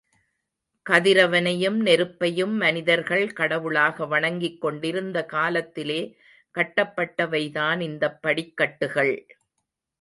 கதிரவனையும், நெருப்பையும் மனிதர்கள் கடவுளாக வணங்கிக் கொண்டிருந்த காலத்திலே கட்டப்பட்டவைதான் இந்தப்படிக்கட்டுகள்.